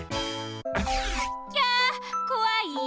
「キャこわい！」。